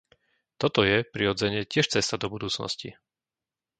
Toto je, prirodzene, tiež cesta do budúcnosti.